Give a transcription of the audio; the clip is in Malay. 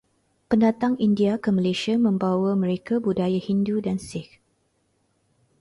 Pendatang India ke Malaysia membawa mereka budaya Hindu dan Sikh.